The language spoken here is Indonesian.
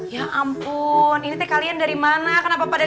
ya ampun ini teh kalian dari mana kenapa pada